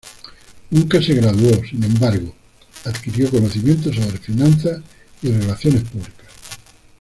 Nunca se graduó, sin embargo, adquirió conocimiento sobre finanzas y relaciones públicas.